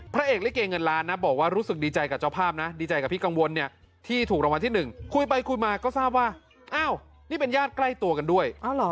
พี่กังวลที่ถูกรางวัลที่๑คุยไปคุยมาก็ทราบว่านี่เป็นญาติใกล้ตัวกันด้วย